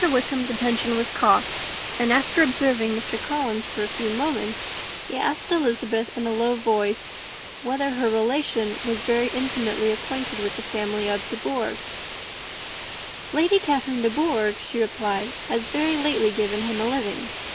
Wickham's attention was caught; and after observing Mr. Collins for a few moments, he asked Elizabeth in a low voice whether her relations were very intimately acquainted with the family of De Bourgh. "Lady Catherine de Bourgh," she replied, "has very lately given him a living.